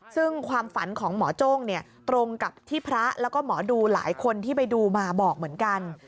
ซึ่งความฝันของหมอโจ้งเนี่ยตรงกับที่พระแล้วก็หมอดูหลายคนที่ไปดูมาบอกเหมือนกัน